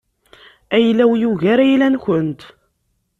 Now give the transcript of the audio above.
Ayla-w yugar ayla-nkent.